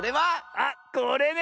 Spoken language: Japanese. あっこれね！